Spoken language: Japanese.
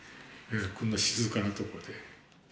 こんな静かなとこで。